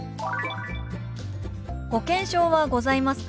「保険証はございますか？」。